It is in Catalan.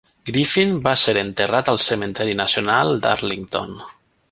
Griffin va ser enterrat al cementeri nacional d'Arlington.